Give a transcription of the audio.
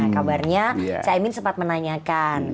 kabarnya caimin sempat menanyakan